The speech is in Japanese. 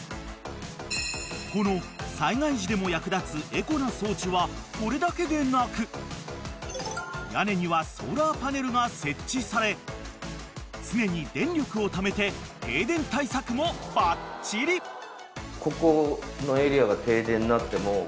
［この災害時でも役立つエコな装置はこれだけでなく屋根にはソーラーパネルが設置され常に電力をためて停電対策もバッチリ］え！